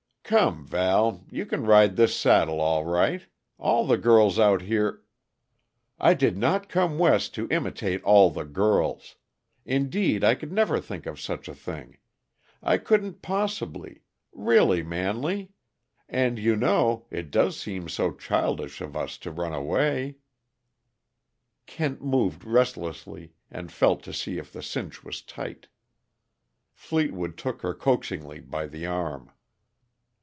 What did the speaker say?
"Come, Val you can ride this saddle, all right. All the girls out here " "I did not come West to imitate all the girls. Indeed, I could never think of such a thing. I couldn't possibly really, Manley! And, you know, it does seem so childish of us to run away " Kent moved restlessly, and felt to see if the cinch was tight. Fleetwood took her coaxingly by the arm.